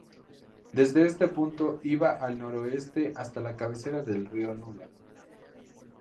Desde este punto iba al noroeste hasta la cabecera del río Nula.